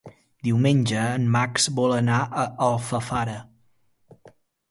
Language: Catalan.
Diumenge en Max vol anar a Alfafara.